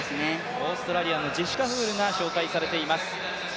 オーストラリアのジェシカ・フールが紹介されています。